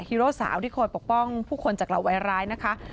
โร่สาวที่คอยปกป้องผู้คนจากเหล่าวัยร้ายนะคะ